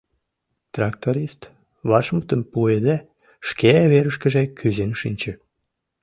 Тракторист, вашмутым пуыде, шке верышкыже кӱзен шинче.